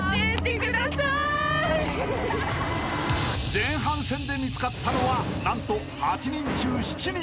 ［前半戦で見つかったのは何と８人中７人］